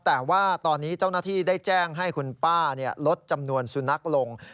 แต่ว่าตอนนี้เจ้าหน้าที่ได้แจ้งให้คุณป้าลดจำนวนสุนัขลง